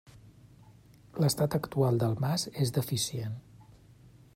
L’estat actual del mas és deficient.